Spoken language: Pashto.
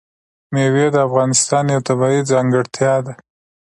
مېوې د افغانستان یوه طبیعي ځانګړتیا ده.